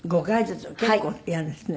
結構やるんですね。